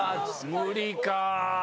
無理か。